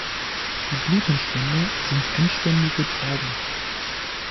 Die Blütenstände sind endständige Trauben.